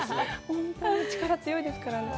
本当に力が強いですからね。